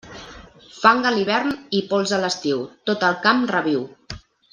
Fang a l'hivern i pols a l'estiu, tot el camp reviu.